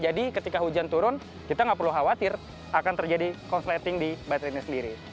jadi ketika hujan turun kita tidak perlu khawatir akan terjadi konflating di baterai ini sendiri